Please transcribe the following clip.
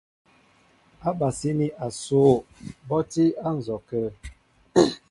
Ábasíní asoo bɔ́ á tí á nzɔkə̂.